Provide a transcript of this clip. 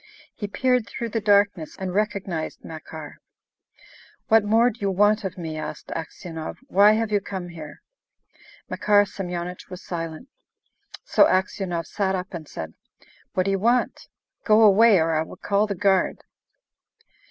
He peered through the darkness and recognised Makar. "What more do you want of me?" asked Aksionov. "Why have you come here?" Makar Semyonich was silent. So Aksionov sat up and said, "What do you want? Go away, or I will call the guard!"